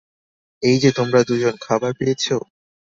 এই যে তোমরা দুজন, খাবার পেয়েছ?